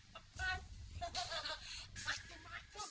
pernah nggak sama